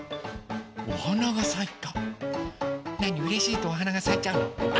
うれしいとおはながさいちゃうの？